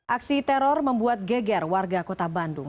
aksi teror membuat geger warga kota bandung